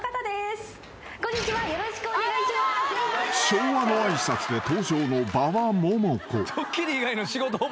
［昭和の挨拶で登場の］